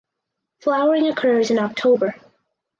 Flowering occurs in October.